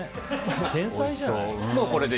天才じゃない？